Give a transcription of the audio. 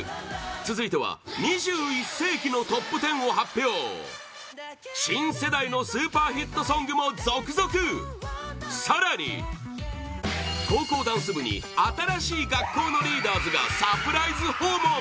続いては２１世紀のトップ１０を発表新世代のスーパーヒットソングも続々更に、高校ダンス部に新しい学校のリーダーズがサプライズ訪問！